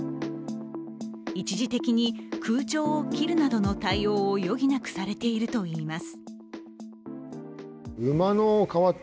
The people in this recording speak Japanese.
一時的に空調を切るなどの対応を余儀なくされているといいます。